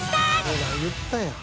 ほら言ったやん。